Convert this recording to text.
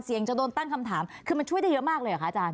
จะโดนตั้งคำถามคือมันช่วยได้เยอะมากเลยเหรอคะอาจารย